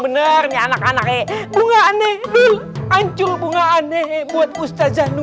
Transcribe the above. benernya anak anaknya bunga aneh anjur bunga aneh buat ustaz zanul